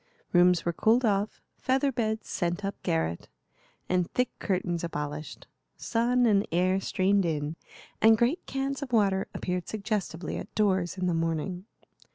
Rooms were cooled off, feather beds sent up garret, and thick curtains abolished. Sun and air streamed in, and great cans of water appeared suggestively at doors in the morning.